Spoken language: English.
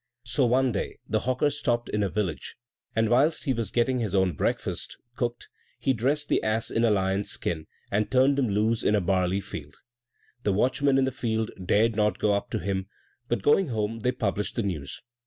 So one day the hawker stopped in a village; and whilst he was getting his own breakfast cooked, he dressed the ass in a lion's skin, and turned him loose in a barley field. The watchmen in the field dared not go up to him; but going home, they published the news.